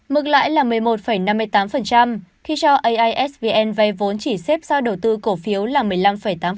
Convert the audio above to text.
mức lãi là một mươi một năm mươi tám khi cho aisvn vay vốn chỉ xếp sau đầu tư cổ phiếu là một mươi năm tám